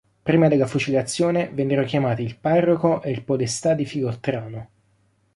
Prima della fucilazione vennero chiamati il parroco e il podestà di Filottrano.